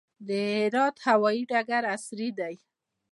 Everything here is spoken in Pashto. د هرات هوايي ډګر عصري دی